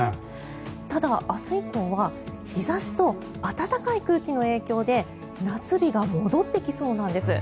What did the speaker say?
ただ、明日以降は日差しと暖かい空気の影響で夏日が戻ってきそうなんです。